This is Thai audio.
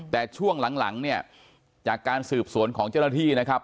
แต่ช่วงหลังเนี่ยจากการสืบสวนของเจ้าหน้าที่นะครับ